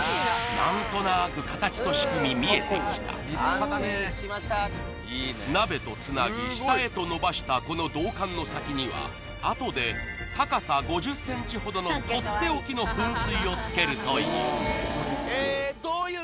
イエーイさせ何となく鍋とつなぎ下へと伸ばしたこの銅管の先にはあとで高さ５０ｃｍほどのとっておきの噴水を付けるというえ